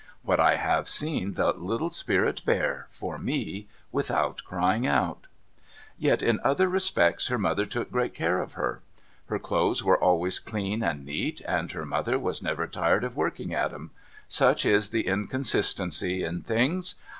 What I have seen the little spirit bear — for me — without crying out ! Yet in other respects her mother took great care of her. Her ( lothcs were always clean and neat, and her mother was never tired of working at 'em. Such is the inconsistency in things.